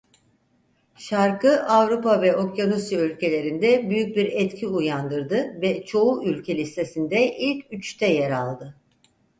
Şarkı Avrupa ve Okyanusya ülkelerinde büyük bir etki uyandırdı ve çoğu ülke listesinde ilk üçte yer aldı.